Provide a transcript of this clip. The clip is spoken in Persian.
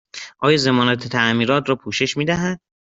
آیا ضمانت تعمیرات را پوشش می دهد؟